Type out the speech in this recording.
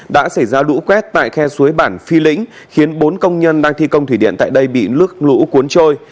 đã xảy ra lũ quét tại khe suối bản phi lĩnh khiến bốn công nhân đang thi công thủy điện tại đây bị nước lũ cuốn trôi